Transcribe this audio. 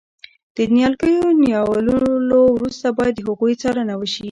د نیالګیو نیالولو وروسته باید د هغوی څارنه وشي.